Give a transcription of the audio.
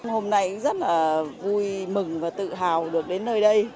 hôm nay rất là vui mừng và tự hào được đến nơi đây